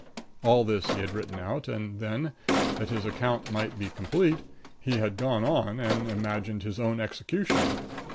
All this he had written out, and then, that his account might be complete, he had gone on and imagined his own execution.